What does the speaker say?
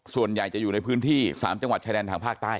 ส่วนใหญ่จะอยู่ในพื้นที่๓จังหวัดชายแดนทางภาคใต้